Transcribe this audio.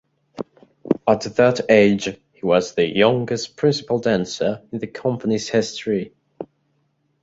At that age, he was the youngest principal dancer in the company's history.